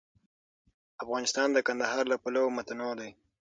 افغانستان د کندهار له پلوه متنوع دی.